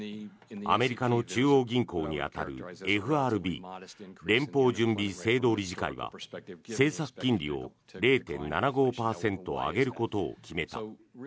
アメリカの中央銀行に当たるＦＲＢ・連邦準備制度理事会は政策金利を０．７５％上げることを決めた。